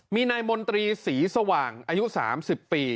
มีนายมนตรีศรีสว่างอายุ๓๐ปี